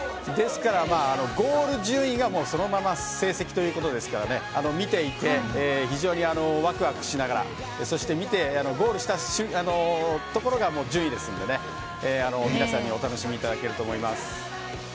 ですからゴール順位がそのまま成績ということですから見ていて非常にワクワクしながらそして、見てゴールしたところが順位ですので、皆さんにお楽しみいただけると思います。